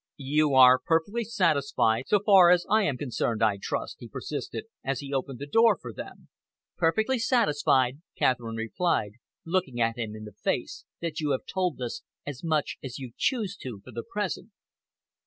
"You are perfectly satisfied, so far as I am concerned, I trust?" he persisted, as he opened the door for them. "Perfectly satisfied," Catherine replied, looking him in the face, "that you have told us as much as you choose to for the present."